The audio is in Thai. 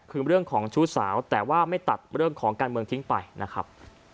คือเรื่องของชู้สาวแต่ว่าไม่ตัดเรื่องของการเมืองทิ้งไปนะครับ